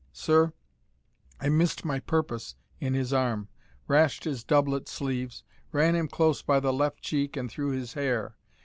Sir, I mist my purpose in his arm, rashed his doublet sleeves, ran him close by the left cheek and through his hair.